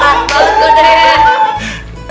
gak tau tuh deh